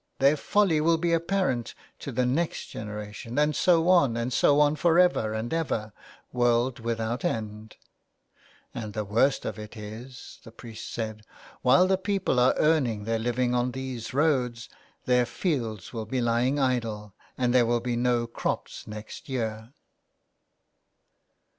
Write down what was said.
Their folly will be apparent to the next generation, and so on and so on for ever and ever, world without end." " And the worst of it is," the priest said, " while the people are earning their living on these roads their fields will be lying idle, and there will be no crops next year."